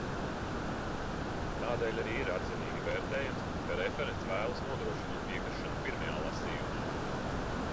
Tādēļ arī ir atzinīgi vērtējams, ka referents vēlas nodrošināt piekrišanu pirmajā lasījumā.